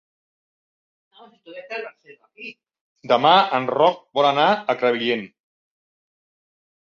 Demà en Roc vol anar a Crevillent.